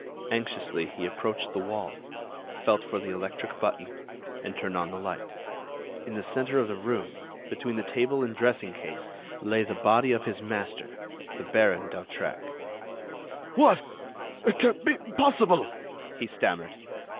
Anxiously, he approached the wall, felt for the electric button, and turned on the light. In the centre of the room, between the table and dressing case, lay the body of his master, the Baron d'Hautrec. "What!... It can't be possible!" he stammered.